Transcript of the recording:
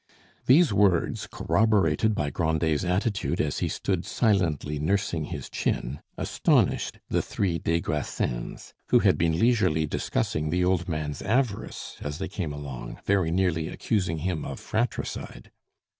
These words, corroborated by Grandet's attitude as he stood silently nursing his chin, astonished the three des Grassins, who had been leisurely discussing the old man's avarice as they came along, very nearly accusing him of fratricide.